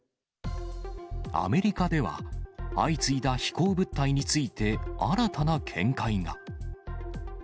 アメリカでは、相次いだ飛行物体について、新たな見解が。